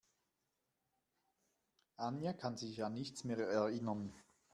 Anja kann sich an nichts mehr erinnern.